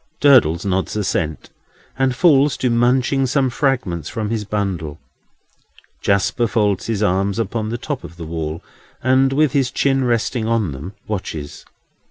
Durdles nods assent, and falls to munching some fragments from his bundle. Jasper folds his arms upon the top of the wall, and, with his chin resting on them, watches.